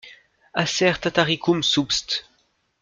Acer tataricum subsp.